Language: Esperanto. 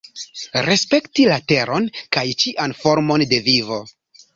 Respekti la Teron kaj ĉian formon de vivo.